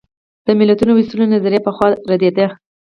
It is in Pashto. د ملتونو وېستلو نظریه پخوا ردېده.